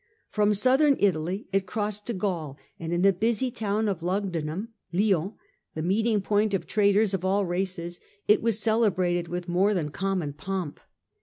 From Southern Italy it passed to Gaul, and in the busy town of Lugdunum (Lyons), the meeting point of traders of all races, it was celebrated with more than common pomp.